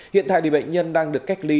hiện tại bệnh nhân đang được cách ly